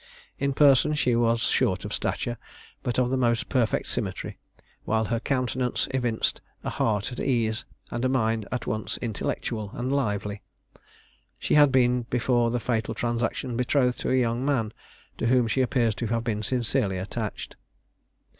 In person she was short of stature, but of the most perfect symmetry; while her countenance evinced a heart at ease, and a mind at once intellectual and lively. She had been before the fatal transaction betrothed to a young man, to whom she appears to have been sincerely attached.